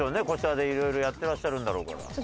こちらでいろいろやってらっしゃるんだろうから。